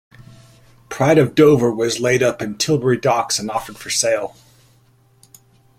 "Pride of Dover" was laid up in Tilbury Docks and offered for sale.